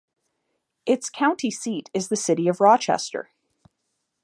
Its county seat is the city of Rochester.